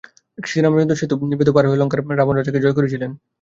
শ্রীরামচন্দ্র সেতু বেঁধে পার হয়ে লঙ্কার রাবণ-রাজাকে জয় করেছিলেন।